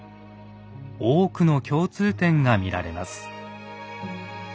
多くの共通点が見られます。